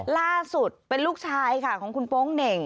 ล่าสุดเป็นลูกชายค่ะของคุณโป๊งเหน่ง